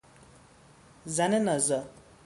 زن نازا